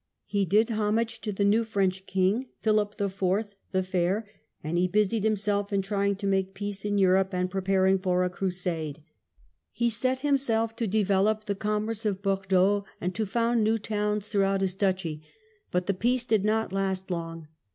He did hom age to the new French king, Philip IV. (the Fair), and he busied himself in trying to make peace in Europe and THE SCOTS SUCCESSION. 89 preparing for a crusade. He set himself to develop the commerce of Bordeaux, and to found new towns through out his duchy. But the peace did not last long.